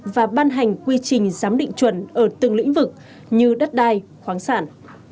và ban hành quy trình giám định chuẩn ở từng lĩnh vực như đất đai khoáng sản